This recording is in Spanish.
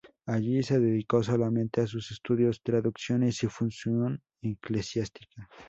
Allí, se dedicó solamente a sus estudios, traducciones y su función eclesiástica.